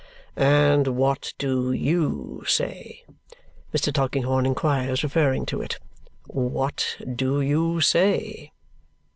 "And what do YOU say," Mr. Tulkinghorn inquires, referring to it. "What do you say?"